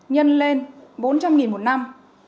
nhân lên bốn trăm linh nghìn một năm